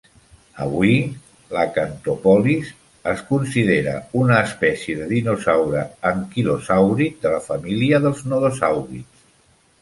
Avui l'"acanthopholis" es considera una espècie de dinosaure anquilosàurid de la família dels nodosàurids.